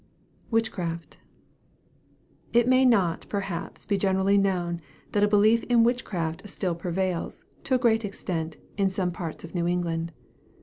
WITCHCRAFT. It may not, perhaps, be generally known that a belief in witchcraft still prevails, to a great extent, in some parts of New England.